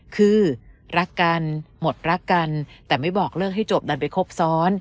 คือรักกันหมดรักกันแต่ไม่บอกเลิกให้จบดันไปครบซ้อน